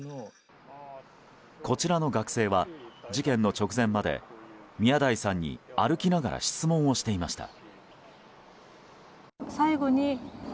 こちらの学生は事件の直前まで宮台さんに歩きながら質問をしていました。